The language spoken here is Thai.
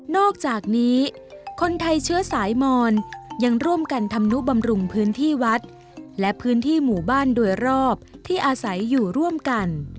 อกจากนี้คนไทยเชื้อสายมอนยังร่วมกันทำนุบำรุงพื้นที่วัดและพื้นที่หมู่บ้านโดยรอบที่อาศัยอยู่ร่วมกัน